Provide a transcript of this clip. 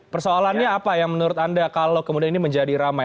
persoalannya apa yang menurut anda kalau kemudian ini menjadi ramai